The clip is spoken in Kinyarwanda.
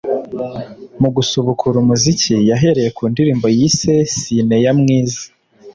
Mu gusubukura umuziki yahereye ku ndirimbo yise ‘Sine ya mwiza’